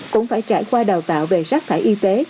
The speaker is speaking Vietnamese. cũng phải trải qua đào tạo về rác thải y tế